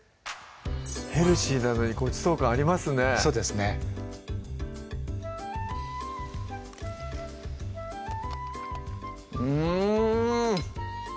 ヘルシーなのにごちそう感ありますねそうですねうん！